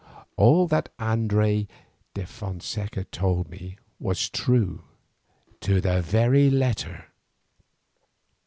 All that Andres de Fonseca told me was true to the very letter.